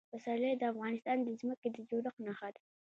پسرلی د افغانستان د ځمکې د جوړښت نښه ده.